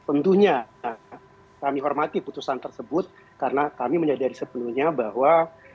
tentunya kami hormati putusan tersebut karena kami menyadari sepenuhnya bahwa